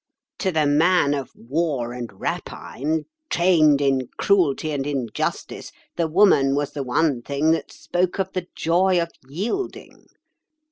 To the man of war and rapine, trained in cruelty and injustice, the woman was the one thing that spoke of the joy of yielding.